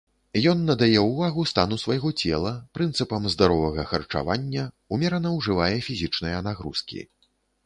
Ён надае ўвагу стану свайго цела, прынцыпам здаровага харчавання, умерана ўжывае фізічныя нагрузкі.